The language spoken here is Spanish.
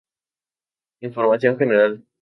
Información general